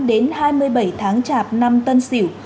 một mươi tám đến hai mươi bảy tháng chạp năm tân sỉu